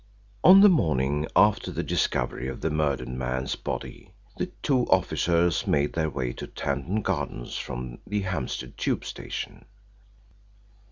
On the morning after the discovery of the murdered man's body, the two officers made their way to Tanton Gardens from the Hampstead tube station.